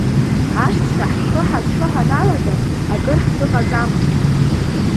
Асҵәҟьа ҳхы ҳацәшәо ҳаналага, акыр ҳзыҟаҵама.